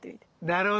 なるほど！